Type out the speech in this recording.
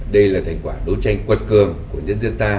đây là thành quả đấu tranh quật cường của nhân dân ta